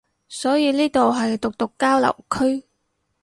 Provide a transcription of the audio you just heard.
所以呢度係毒毒交流區